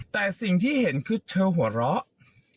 แต่สิ่งที่เห็นคือเธอหัวเราะ